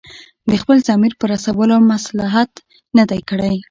د خپل ضمیر په رسولو مصلحت نه دی کړی.